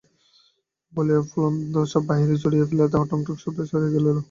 বলিয়া ফুলসুদ্ধ ফুলদানি বাহিরে ছুঁড়িয়া ফেলিল, তাহা ঠংঠং শব্দে সিঁড়ি দিয়া গড়াইয়া চলিল।